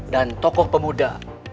dan tokoh pemuda